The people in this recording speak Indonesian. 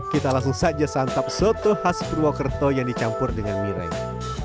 kita langsung saja santap soto khas purwokerto yang dicampur dengan mirai